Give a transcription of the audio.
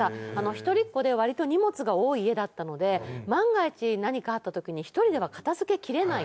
一人っ子で割と荷物が多い家だったので万が一何かあった時に一人では片付けきれないと。